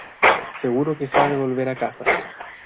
seguro que sabe volver a casa.